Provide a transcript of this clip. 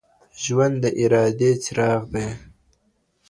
ژوند د ارادې څراغ دئ